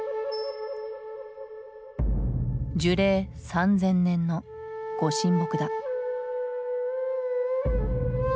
樹齢３，０００年の御神木だ。